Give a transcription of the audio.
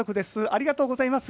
ありがとうございます。